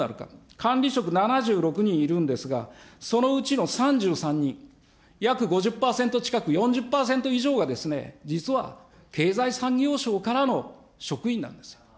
管理職７６人いるんですが、そのうちの３３人、約５０％近く、４０％以上がですね、実は、経済産業省からの職員なんです。